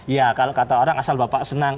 ya kalau kata orang asal bapak senang